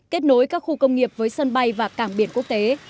kết nối các khu công nghiệp với sân bay và cảng biển quốc tế